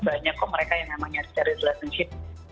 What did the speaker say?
banyak kok mereka yang namanya secara relationship